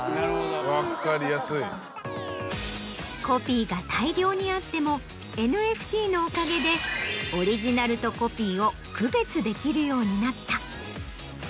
コピーが大量にあってもＮＦＴのおかげでオリジナルとコピーを区別できるようになった。